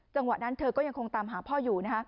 จังหวะนั้นเธอก็ยังคงตามหาพ่ออยู่